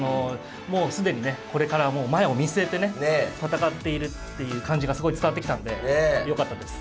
もう既にねこれからもう前を見据えてね戦っているっていう感じがすごい伝わってきたんでよかったです。